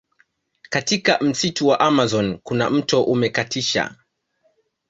Katika msitu wa amazon kuna mto umekatisha